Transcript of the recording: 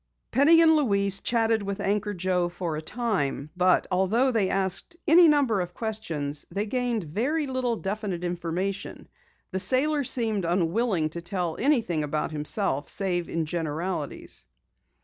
Penny and Louise chatted with Anchor Joe for a time but, although they asked any number of questions, they gained very little definite information. The sailor seemed unwilling to tell anything about himself, save in generalities.